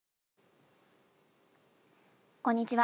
こんにちは。